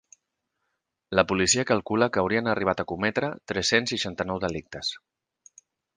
La policia calcula que haurien arribat a cometre tres-cents seixanta-nou delictes.